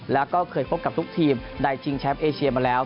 แล้วก็เคยพบกับทุกทีมได้ชิงแชมป์เอเชียมาแล้ว